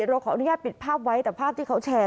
เราขออนุญาตปิดภาพไว้แต่ภาพที่เขาแชร์